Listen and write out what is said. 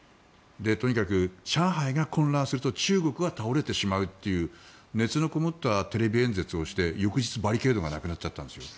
とにかく上海が混乱すると中国が倒れてしまうという熱のこもったテレビ演説をして翌日、バリケードがなくなっちゃったんです。